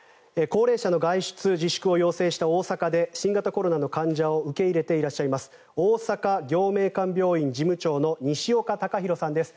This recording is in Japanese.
高齢者の外出自粛を要請した大阪で新型コロナの患者を受け入れていらっしゃいます大阪暁明館病院事務長の西岡崇浩さんです。